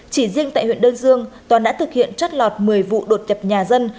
chỉ riêng tại huyện đơn dương toán đã thực hiện trất lọt một mươi vụ đột nhập nhà dân